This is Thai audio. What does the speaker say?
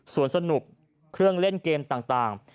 ส่วนสนุกเครื่องเล่นเกมต่าง